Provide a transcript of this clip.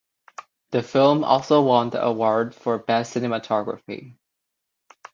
The film also won the award for Best Cinematography.